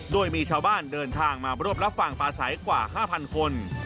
โดยมีชาวบ้านเดินทางมาร่วมรับฟังปลาใสกว่า๕๐๐คน